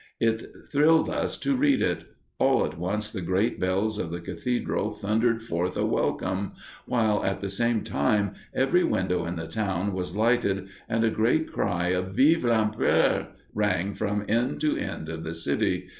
It thrilled us to read it. All at once the great bells of the cathedral thundered forth a welcome, while at the same time every window in the town was lighted and a great cry of "Vive l'Empereur!" rang from end to end of the city.